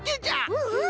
うんうん！